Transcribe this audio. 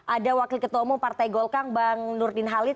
ada wakil ketemu partai golkang bang nurdin halid